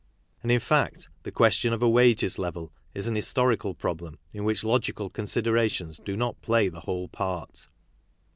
And, in fact, the question of a wages level is an historical problem in which logical considerations do not play the whole part.